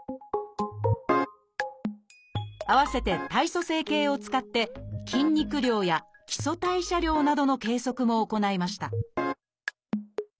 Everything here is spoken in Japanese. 併せて体組成計を使って筋肉量や基礎代謝量などの計測も行いました